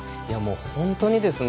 本当にですね